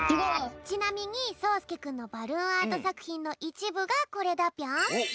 ちなみにそうすけくんのバルーンアートさくひんのいちぶがこれだぴょん。